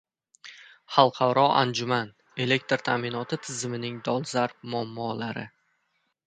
Xalqaro anjuman: elektr ta’minoti tizimining dolzarb muammolari